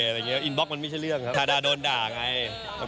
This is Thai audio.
อะไรเงี้ยอินบล็อกมันมันไม่ใช่เรื่องอย่างนี้ครับ